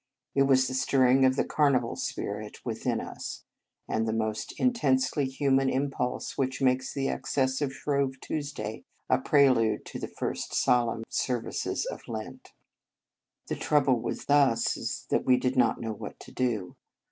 It was the stirring of the Carnival spirit within us, the same intensely human impulse which makes the excesses of Shrove Tuesday a prelude to the first solemn services of Lent. The trouble with us was that we did not know what to do.